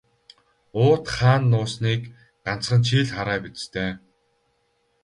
Уут хаана нуусныг ганцхан чи л хараа биз дээ.